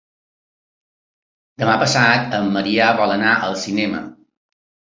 Demà passat en Maria vol anar al cinema.